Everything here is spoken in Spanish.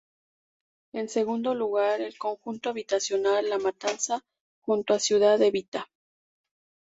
En segundo lugar, el Conjunto Habitacional La Matanza, junto a Ciudad Evita.